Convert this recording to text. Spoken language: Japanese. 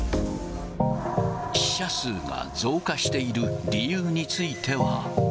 死者数が増加している理由については。